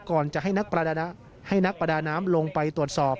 ก่อนจะให้นักให้นักประดาน้ำลงไปตรวจสอบ